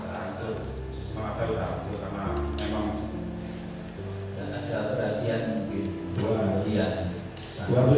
dunia saya sudah hancur semangat saya sudah hancur karena memang tidak ada perhatian mungkin